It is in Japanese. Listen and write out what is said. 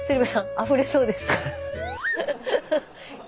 あふれそうです。